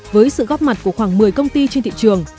với sự góp mặt của khoảng một mươi công ty trên thị trường